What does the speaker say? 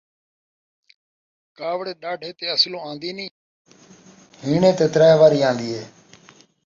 کاوڑ ݙاڈھے تے اصلوں آن٘دی نئیں ، ہیݨے تے ترائے واری آن٘دی ہے